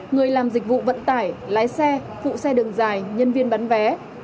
người làm dịch vụ vận tải lái xe phụ xe đường dài nhân viên bán vé